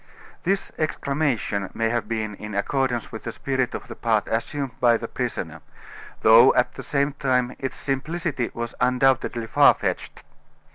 This exclamation may have been in accordance with the spirit of the part assumed by the prisoner; though, at the same time, its simplicity was undoubtedly far fetched.